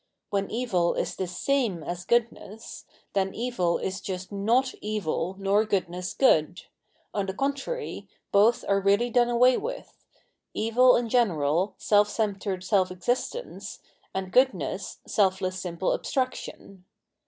When evil is the same as goodness, then evil is just not evil nor goodness good ; on the contrary, both are really done away with — evil in general, self centred self existence, and goodness, self less simple abstraction.